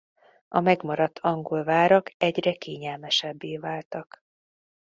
A megmaradt angol várak egyre kényelmesebbé váltak.